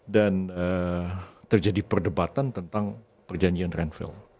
dan terjadi perdebatan tentang perjanjian renville